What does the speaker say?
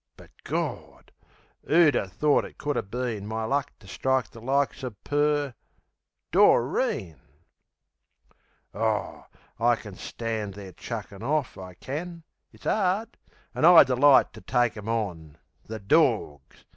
But, Gawd! 'Oo would 'a' thort it could 'a' been My luck to strike the likes of Per?...Doreen! Aw, I can stand their chuckin' off, I can. It's 'ard; an' I'd delight to take 'em on. The dawgs!